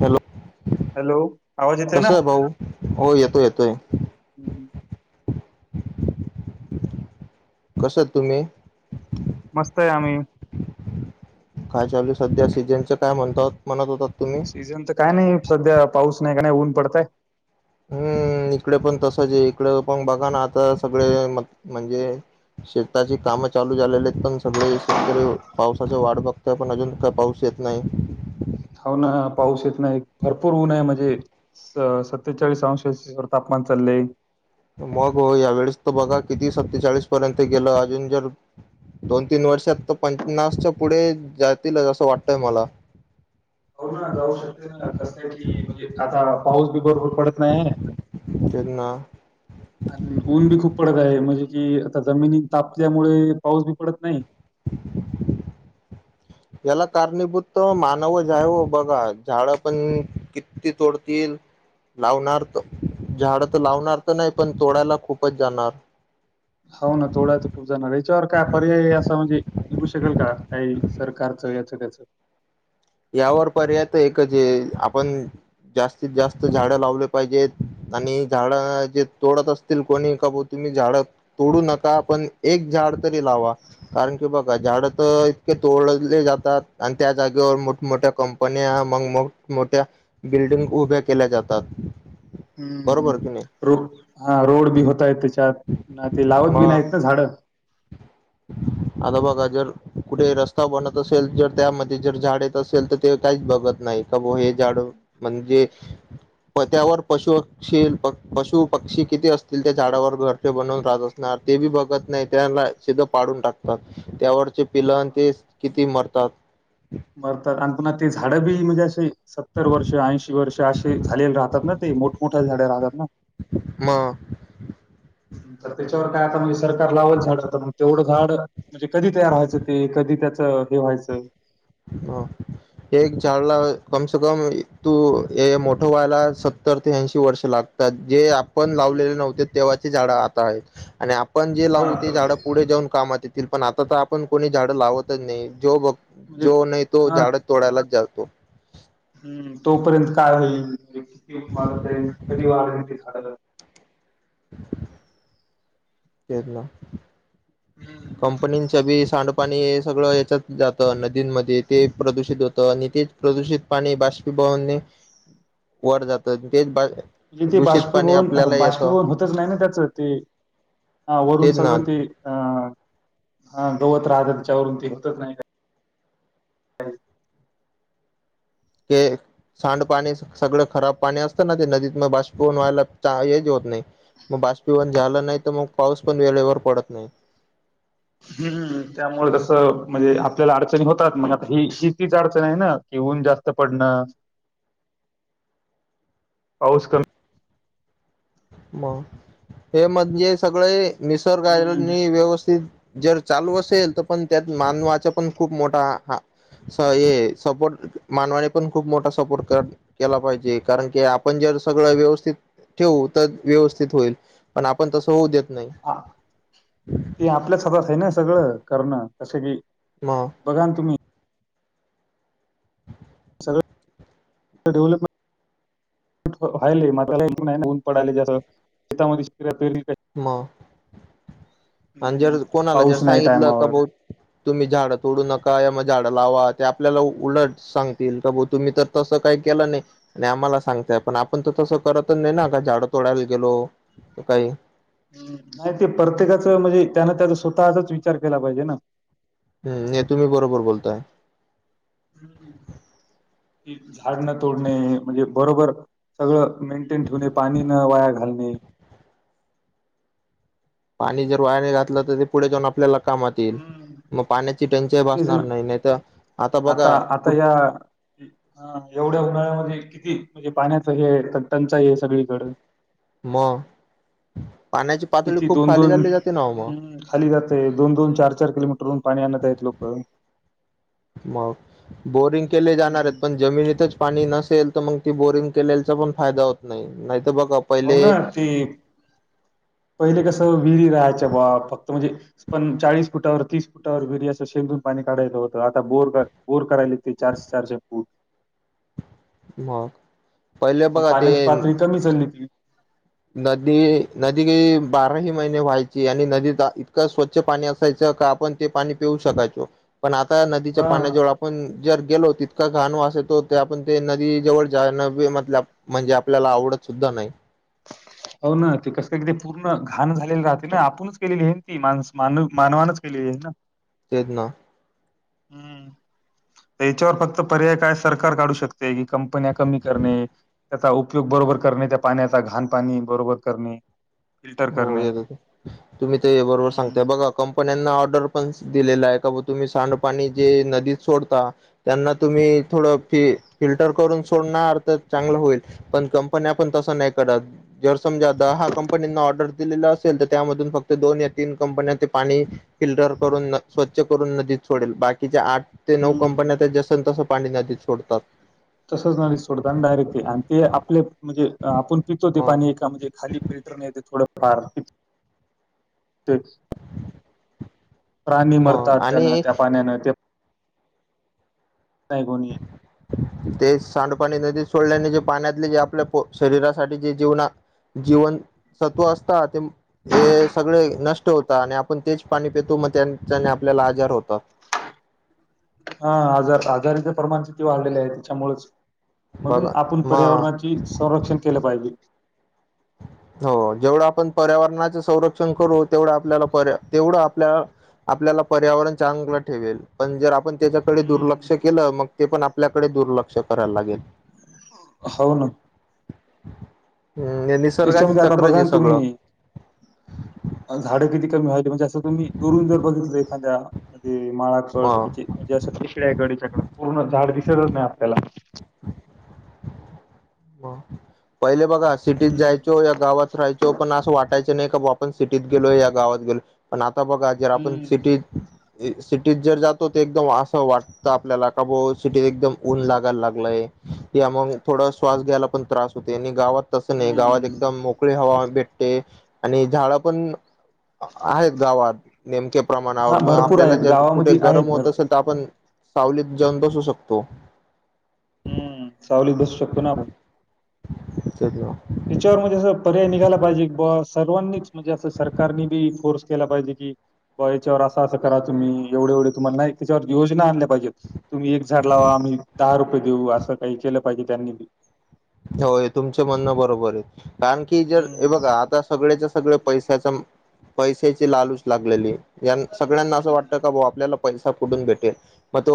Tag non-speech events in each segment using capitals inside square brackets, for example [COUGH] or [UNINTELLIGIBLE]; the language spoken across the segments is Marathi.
हॅलो हॅलो आवाज येतोय ना कस आहे भाऊ हो येतोय येतोय हम् हम कसं तुम्ही मस्त आहे आम्ही काय चालू सध्या सीजनचं काय म्हणत म्हणत होतात तुम्ही सीझन तर काय नाही सध्या पाऊस नाही का नाही ऊन पडतय हम्म इकडे पण तसच आहे इकडे पण बघा ना आता सगळे म म्हणजे शेताची काम चालू झालेले आहेत पण सगळे शेतकरी पावसाचे वाट बघतय पण अजून का पाऊस चेत्नाई होा ना पाऊस येत नाही भरपूर ऊन आहे म्हणजे सत्तेचाळीस अंश सेल्सिअस व तापन चाललंय मग हो या वेळेस तर बघा किती सत्तेचाळीस पर्यंत गेलं अजून जर दोन तीन वर्षात तर पन्नासच्या पुढे जातील असं वाटतय मला हो ना जाऊ शकते ना कस की म्हणजे आता पाऊस बी बरोबर पडत नाही जना आणि ऊन बी खूप पडत आहे म्हणजे कि आता जमिनी तापल्यामुळे पाऊस बी पडत नाही [INAUDIBLE] याला कारणीभूत मानव जा आहे बघा झाडं पण किती तोडतील लावणार तर झाडं तर लावणार तर नाही पण तोडायला खूपच जाणार हो ना तोडा तर खूप जाणार याच्यावर काय पर्याय असं म्हणजे निघू शकेल का काही सरकारचं याचं त्याचं यावर पर्याय एक जे आपण जास्तीत जास्त झाडं लावले पाहिजेत आणि झाड जे तोडत असतील कोणी काबू तुम्ही झाड तोडू नका पण एक झाड तरी लावा. कारण की बघा झाड तर इतके तोडजले जातात आणि त्या जागेवर मोठ मोठ्या कंपन्या मग मो मोठ्या बिल्डिंग उभ्या केल्या जातात हम्म बरोबर की नाही रो हा रोड बी होतय त्याच्यात ते लावत बी नाहीत ना झाडं आदाबा गाजर कुठे रस्ता बनत असेल तरर त्यामध्ये जर झाड येत असेल तर ते काहीच बघत नाही का ब हे झाडं म्हणजे प त्यावर पशु ील प पशु पक्षी किती असतील त्या झाडावर घरचे बनवून राहत असणार ते बी बघत नाही त्याला सिध पाडून टाकतात त्यावरचे हो पिलंन ना. ते किती मरतात मरतात आणि पुन्हा ते झाडं बी म्हणजे अस सत्तर वर्ष ऐंशी वर्ष असे झालेले राहतात ना ते मोठमठ्या झाड्या राहतात ना मग हम्म, तर त्याच्यावर काय आता म्हणजे सरकार लावाल झाड मग तेवढ झाड म्हणजे कधी तयार व्हायच ते कधी त्याच हे व्हायच अ एक झाला कमसे कम तू हे मोठ व्हायला सत्तर ते ऐंशी वर्ष लाग तात जे आप पण लावलेले हम्म. नव्हते, तेव्हाचे झाड आता आहेत आणि आपण जे हा लावू ते तर झाड पुढे जाऊन कामात येतील. तील पण, आता तर आपण कोणी झाड लावतच नाइ, जो बघ म्हणजे जो नाही तो हा झाडच. तोडायलाच जातो. हम्म तोपर्यंत काय होईल? किती वाढतय कधी वाढतेय ते झाड [INAUDIBLE] तेच ना, म्हणजे कंपनी च्या बी सांड पाणी हे सगळ ह्याच्यात जात नदींमध्ये ते प्रदूषित होत आणि तेच प्रदूषित पाणी बाष्पीभवने वर जात तेच बा म्हणजे ते दूषित पाणी आपल्याला बाष्पीभवन येतं बाष्पीभवन होतच नाही ना. त्याच ते वरून तेच ना सगळ ते हा हा गवत राहत त्याच्यावरून ते निघतच नाही काही [UNINTELLIGIBLE] ते सांडपाणी सगळ खराब पाणी असत ना, ते नदीत न बाशपिभवन व्हायला हेच होत नाही मग बाष्पीभवण झालं नाही, तर मग पाऊस पण वेळेवर पडत नाही. हू हू हू. त्यामुळे कस म्हणजे आपल्याला अडचणी होतात, मग आता ही ही शेतीची अडचणी आहे ना. कि ऊन जास्त पडन [INAUDIBLE] पाऊस कमी मग हे म्हणजे सगळे हम्म निसर्गानी व्यवस्थित जर चालू असेल तर, पण त्यात मानवाचा पण खूप मोठा हा स हे सपोर्ट मानवाने पण खूप मोठा सपोर्ट कर केला पाहिजे कारण की, आपण जर सग व्यवस्थित ठेवू तर व्यवस्थित होईल पण आपण तस होऊ देत नाहीत. हा ते आपल्याच हातात आहे ना, यू सगळ करण कस की म बघाना तुम्ही डे्वलपमट [UNINTELLIGIBLE] व्हायलय [UNINTELLIGIBLE] पण ऊन पडालय जास्त त्यामुळं शेतामध्ये शेतकरी पेरणी म आणि जर कोणाला जर पाऊस नाही सांगितल का टायमावर बा तुम्ही झाड तोडू नका, या मग झाड लावा ते आपल्याला उलट सांगतील तर, तबो तुम्ही तर तस काय केला नाइ आणि आम्हाला सांगताय, पण आपण तर तस करतच नाइ ना, का झाडं तोडायला गेलो असं काई नाही ते परतेकाच म्हणजे त्यान, त्याचा स्वतःचाच विचार केला पाहिजे ना हम् हे तुम्ही बरोबर बोलताय. काय, झाड न तोडणे म्हणजे बरोबर सगळ मेंटेन ठेवणे, पाणी न वाया घालण पाणी जर वाया नाइ घातल तर, ते पुढे जाऊन आपल्याला कामात इल मग पाण्याची टंचाइ तेच भासणार ना नाही, नाही तर आता बघा आता कुठ या हा एवढ्या उन्हाळ्यामध्ये किती म्हणजे पाण्याचं हे आहे, टंचाई आहे सगळीकडं. मअ पाण्याची पातळी किती खूप दोन खाली दोन झाली जाते ना हो मग. हम्म खाली जाते. दोन दोन, चार चार किलोमीटवरून पाणी आणत आहेत लोकं. मग बोरिंग केले जाणार आहेत, पण जमिनीतच पाणी नसेल तर, मंग ती बोरिंग केल्याचा पण, फायदा होत नाही. नाही तर बघा आप हो ना ती अ पहिले कसं? विहिरी राहायच्या बा फक्त म्हणजे पण चाळीस फुटावर, तीस फुटावर विहिरी असं शेंदून पाणी काढायच होतं, आता बोर काय बोर करायले ते चारशे चारशे फूट मग पहिले मग बघा ते पाण्याची पातळी कमी झाली ती नदी नदी बाराही महिने व्हायची आणि नदीत इतका स्वच्छ पाणी असायचं का आपण ते पाणी पिऊ शकायचो, पण आता नदीच्या हां, पाण्याजवळ आपण जर गेलो तितका घाण वास येतो. ते आपण ते नदी जवळ जायन भी मतलब म्हणजे आपल्याला आवडत सुद्धा नाही. हो ना ते कस का ते पूर्ण घाण झालेलं राहते ना. आपूणच केलेली आहे ती माणस मानव मानवानच केली आहे ना. तेच ना. हं. [INAUDIBLE] याच्यावर फक्त पर्याय काय सरकार काढू शकते की कंपन्या कमी करणे त्याचा उपयोग बरोबर करणे त्या पाण्याचा घाण पाणी बरोबर करणे फिल्टर हो करणे. येत ते तुम्ही ते बरोबर हं. सांगता बघा कं पन्याना ऑर्डर पणस दिलेला आहे का, बा तुम्ही सांडपाणी जे नदीत सोडता त्यांना तुम्ही थोडं फि फिल्टर करून सोडणार तर चांगलं होईल. पण कंपन्या पण तस नाही करत जर समजा आता हा कंपनीना ऑ र्डर दिलेला असेल तर त्यामधून फक्त दोन या तीन कंपन्या ते पाणी फिल्टर करून नक स्वच्छ करून नदीत सोडेल बाकीच्या आठ ते नऊ हं. कंपन्या ते जसन तसं पाणी नदीत सोडतात. तसंच आणि सोडतान डायरेक्ट ते आणि ते आपले म्हणजे आपण पितो ते मग पाणी एका म्हणजे खाली फिल्टर नेते थोड फार तेच प्राणी मग मरतात त्यान आणि त्या पाण्यान ते तायगोणी [INAUDIBLE] ते सांडपाणी नदीत सोडल्याने जे पाण्यातले जे आपल्या पो शरीरासाठी जे जीवना जिवन सत्व असता ते ए सगळे नष्ट होता आणि आपण तेच पाणी पेतो मग त्यां हम्म. हा आजार आजारीच प्रमाण किती वाढलेले आहे त्याच्यामुळेच म्हणून बघा आपूण मग पर्यावरणाची संरक्षण केलं पाहिजे. हो जेवढं आपण पर्यावरणाच संरक्षण करू तेवढं आपल्याला पर्या तेवढं आपल्या आपल्याला पर्यावरण चांगलं ठेवेल पण जर आपण त्याच्याकडे हम्म. दुर्लक्ष केलं मग ते पण आपल्याकडे दुर्लक्ष करायला लागेल. हाव ना. हम् हे निसर्गाच त्याच्यामध्ये आता चक्रच बघा हे सगळं. अन झाडं किती कमी व्हाली म्हणजे असं तुम्ही दुरून जर बघितलं एखाद्या म्हणजे माळाचळ म याची म्हणजे असं पिशड्या आहे गडीच्याकड पूर्ण झाड दिसतच नाही आपल्याला म पहिले बघा सिटीत हम्म, जायचो या गावात राहायचो पण अस वाटयचं नाही का आपण सिटी गेलो, या गावात गेलो. पण आता बघा जर आपण हम्म, सिटीत जी सिटीत जर जातो ते एकदम असं वाटतं आपल्याला का बो सिटी एकदम ऊन लागायला लागलंय या मंग थोडं श्वास घ्यायला पण त्रास हो त्यांनी गावात तस नाही गावात हम्म. एकदम मोकळी हवा भेटते आणि झाड पण आहेत गावात नेमके हा प्रमाणावर मग भरपूर आपल्याला आहेत जर कुठे गावामध्ये आहेत गरम होत भरपूर. असेल तर आपण सावलीत जाऊन बसू शकतो. हम्म सावलीत बसू शकतो ना आपण च [UNINTELLIGIBLE] त्याच्यावर म्हणे अस पर्याय निघायला पाहिजे सर्वांनीच म्हणजे असं सरकारनी बी फोर्स केला पाहिजे की. ब याच्यावर असं असं करा तुम्ही एवढे एवढे तुम्हाला नाही त्याच्यावर योजना आणल्या पाहिजेत. तुम्ही एक झाड लावा आम्ही दहा रुपये देऊ असं काही केलं पाहिजे त्यांनी होय तुमच म्हणणं बरोबर आहे कारण की जर हे हम्म बघा आता सगळ्याच्या सगळ पैशाच्या पैशाची लालूच लागलेली. यां सगळ्यांना असं वाटतं कां बां आपल्यांला पैसा कुठूंन भेटेल मंग तो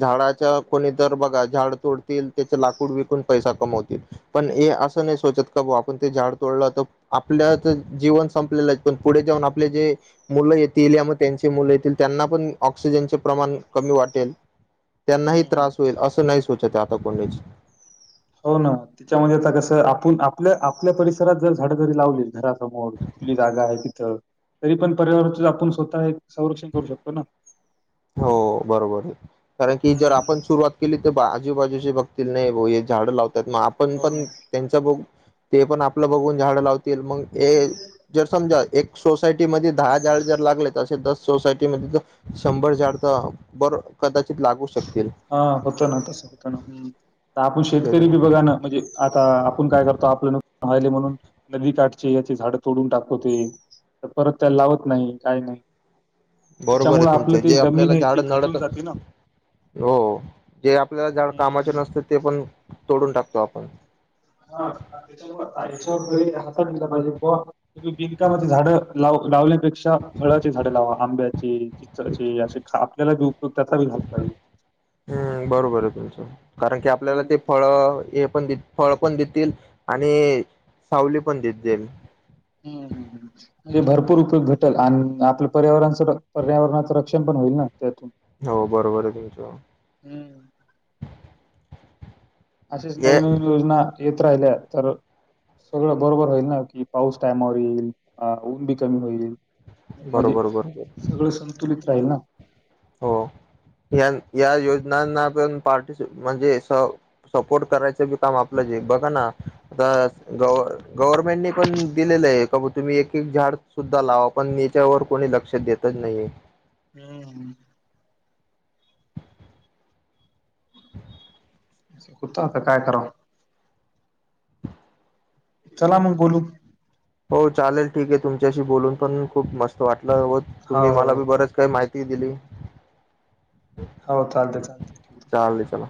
झाडांच्या कोणी तरं बघां झाडं तोडतील त्यांचे लांकूड विकूंन पैसा पणं हे असं नाहीं सोचतं कां बां आपणं ते झाडं तोडलं तरं आपल्यांच जीवन संपलेलं आहे पणं पुढे जाऊंन आपले जे मुलं येतील यां मंग त्यांचे मुलं येतील त्यांना पणं ऑक्सिजनचे प्रमाणं कमी वाटेलं त्यांनाहीं हम्म. त्रासं होईलं असं नाहीं सोचतं आतां कोणीचं हो नां त्यांच्यामध्यें आं कसं आपणं आपल्यां आपल्यां परिसरांत जरं झाडं जरी लावलीत घरासमोर खुंली जागां आहे तिथं तरी पणं पर्यावरण आपणं स्वंतः आहे संरक्षण करूं शकतो नां हो बरोबर आहे कारणं की जरं आपणं हम्म सुरुवांत केली तरं आजूंबाजूंचे बघतील नाहीं बां हे झाडं लावतांत मंग आपणं हो ना. पणं त्यांचा ब ते पणं आपलं बघूंन झाडं लावतील मंग हे जरं समजां एक सोसांयटी मध्ये दहा झाडं जरं लागले तरं असे दसं सोसांयटी मध्यें तरं शंभर झाडं तरं बरं कदांचितं लागूं हां होतं नां तेचं होतं नां हम्मं आपणं शेतंकरी त्यांना बी बघानं म्हणजे आतां आपणं कायं करतो आपलं हिले म्हणूंन नदी कांठचे यांचे झाडं तोंडून टाकतोय तरं परंत त्यांला लावतं नाहीं कायं नाहीं बरोबर त्यांच्यामुळे आहे आपलं तुमचे ती जमीन आहे ती खचूंन जाते नां हो हो जे आपल्यांला कामांचे हम्म. नसतं ते पणं तोंडून टाकतो आपणं हां कां च्यां हातलां पाहिजे बिंकामध्यें झाडं लाव लावली तं पेक्षा फळांची झाडें लावां आंब्याची चिंचेची असे खं आपल्यांला बी उपयुक्त त्यांला बी झालां पाहिजे हम्मं बरोबर आहे तुमचं कारणं की आपल्यांला हम्म. ते फळं हे पणं फळं पणं देतीलं आणि सांवली पणं देतील होव म्हणजे भरंपूर उपयोग घटंल आणि आपलं पर्यावरणाचं पर्यावरणाचं रक्षंण पणं होईल नां त्यांतून हो बरोबर आहे तुमचं अशीचं हे नवनवीन योजनां येतं राहिल्यां तरं सगळं बरोबर होईल नां की पाऊस टायमांवर येईल ऊंन बी कमी होईलं म्हणजे बरोबर बरोबर सगळं संतुलित राहीलं नां हो हं यां योजनांना पणं पार्टिस म्हणजे सं सपोर्ट करायचं मं आपलं जे बघां नां आतां गव्ह गव्हर्नमेंटने पण दिलेलं आहे कां तुम्हीं एक एक झाडं सुद्धां लावां पणं यांच्यावर कोणी लंक्ष देतचं नाहीे आहे हम्मं होतं आतां कायं करावं चलां मंग बोलूं हो चालेल ठीके आहे तुमच्यांशी बोलूंन हं. पणं खूंप मस्तं वाटलं हो तुम्हीं मलां बी बरंच कांहीं माहिती माहिती दिली हो चालतं चालतं जावे चलां